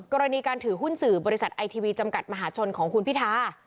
กรณีการถือหุ้นสื่อบริษัทไอทีวีจำกัดมหาชนของคุณพิธา